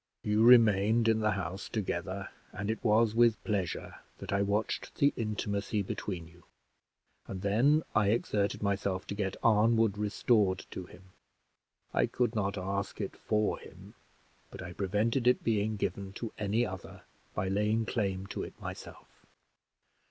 You remained in the house together, and it was with pleasure that I watched the intimacy between you; and then I exerted myself to get Arnwood restored to him. I could not ask it for him, but I prevented it being given to any other by laying claim to it myself.